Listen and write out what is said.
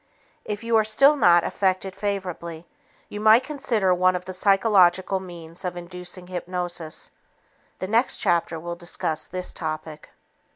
If you are still not affected favorably, you might consider one of the psychological means of inducing hypnosis. The next chapter will discuss this topic.